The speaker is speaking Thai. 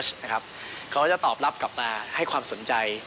เขาก็จะตอบรับกลับมาให้ความสนใจ